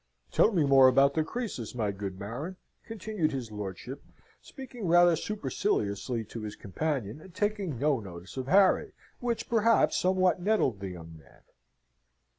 "Tell me more about the Croesus, my good Baron," continued his lordship, speaking rather superciliously to his companion, and taking no notice of Harry, which perhaps somewhat nettled the young man.